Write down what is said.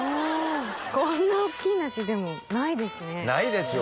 こんな大っきい梨ないですね。